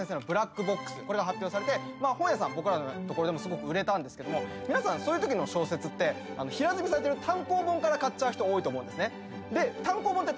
これが発表されて僕らの所でもすごく売れたんですけども皆さんそういうときの小説って平積みされてる単行本から買っちゃう人多いと思うんです。